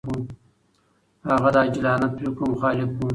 هغه د عجولانه پرېکړو مخالف و.